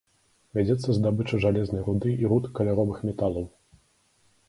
Вядзецца здабыча жалезнай руды і руд каляровых металаў.